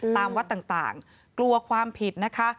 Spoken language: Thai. ตามวัดต่างกลัวความผิดนะคะ